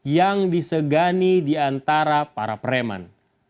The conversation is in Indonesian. yang disegani diantara para preman